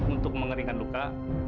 untuk mengeringkan luka